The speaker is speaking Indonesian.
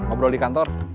obrol di kantor